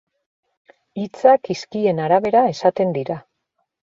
Hitzak hizkien arabera esaten dira.